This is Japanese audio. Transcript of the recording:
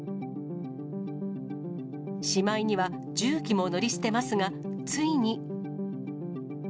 しまいには重機も乗り捨てますが、ついに。